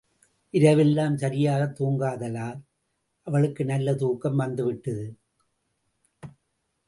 இரவெல்லாம் சரியாகத் தூங்காததால் அவளுக்கு நல்ல தூக்கம் வந்துவிட்டது.